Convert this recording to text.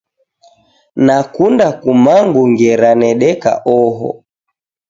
Nakunda kumangu ngera nedeka oho.